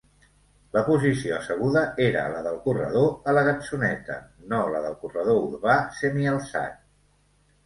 La posició asseguda era la del corredor a la gatzoneta, no la del corredor urbà semialçat.